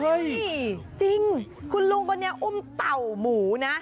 จริงคุณลุงคนนี้อุ้มเต่าหมูนะ